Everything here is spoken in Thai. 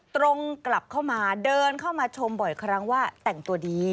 ตรงกลับเข้ามาเดินเข้ามาชมบ่อยครั้งว่าแต่งตัวดี